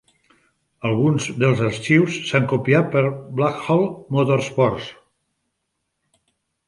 Alguns dels arxius s'han copiat per Blackhole Motorsports.